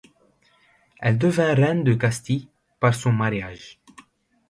Elle devint reine de Castille par son mariage.